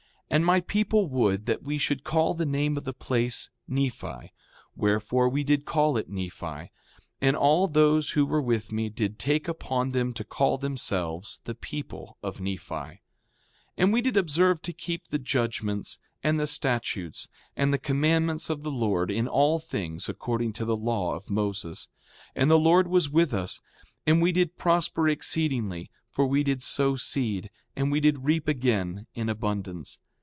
5:8 And my people would that we should call the name of the place Nephi; wherefore, we did call it Nephi. 5:9 And all those who were with me did take upon them to call themselves the people of Nephi. 5:10 And we did observe to keep the judgments, and the statutes, and the commandments of the Lord in all things according to the law of Moses. 5:11 And the Lord was with us; and we did prosper exceedingly; for we did sow seed, and we did reap again in abundance.